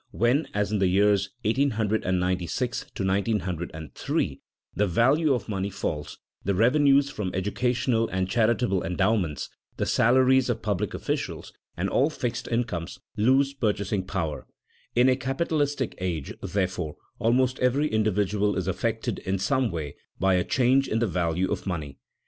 When, as in the years 1896 1903, the value of money falls, the revenues from educational and charitable endowments, the salaries of public officials, and all fixed incomes, lose purchasing power. In a capitalistic age, therefore, almost every individual is affected in some way by a change in the value of money.